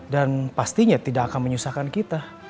dan pastinya tidak akan menyusahkan kita